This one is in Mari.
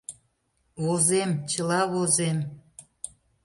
Возем, чыла возем.